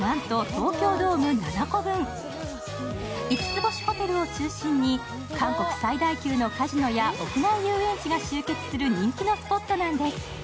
五つ星ホテルを中心に韓国最大級のカジノや屋内遊園地が集結する人気のスポットなんです。